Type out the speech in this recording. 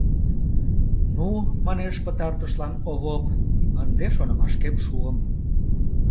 — Ну, — манеш, пытартышлан Овоп, — ынде шонымашкем шуым.